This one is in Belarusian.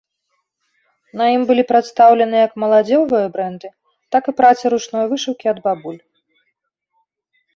На ім былі прадстаўлены як моладзевыя брэнды, так і працы ручной вышыўкі ад бабуль.